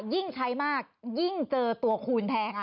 ยิ่งใช้มากยิ่งเจอตัวคูณแทน